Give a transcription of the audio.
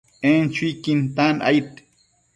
En chuiquin tan aid